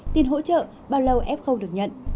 tiền hỗ trợ bao lâu f được nhận